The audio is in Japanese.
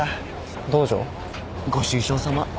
ご愁傷さま。